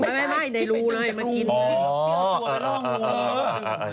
ไม่ในรูเลยกินเลย